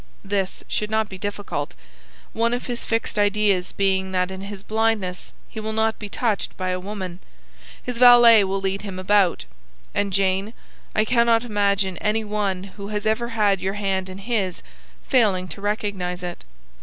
This should not be difficult; one of his fixed ideas being that in his blindness he will not be touched by a woman. His valet will lead him about. And, Jane, I cannot imagine any one who has ever had your hand in his, failing to recognise it.